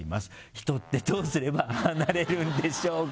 人ってどうすればああなれるんでしょうか？